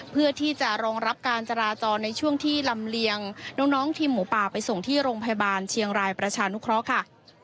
เพื่อที่จะรองรับการจราจรในช่วงที่ลำเลียงน้องทีมหมูป่าไปส่งที่โรงพยาบาลเชียงรายประชานุเคราะห์ค่ะ